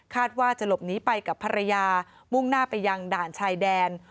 ว่าจะหลบหนีไปกับภรรยามุ่งหน้าไปยังด่านชายแดน